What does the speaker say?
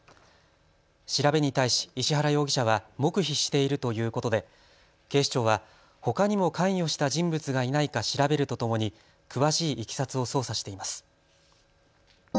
調べに対し石原容疑者は黙秘しているということで警視庁はほかにも関与した人物がいないか調べるとともに詳しいいきさつを捜査しています。